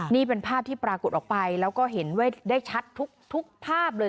นี่เป็นภาพที่ปรากฏออกไปแล้วก็เห็นไว้ได้ชัดทุกภาพเลย